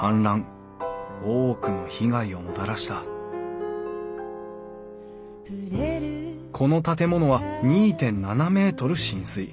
多くの被害をもたらしたこの建物は２．７ｍ浸水。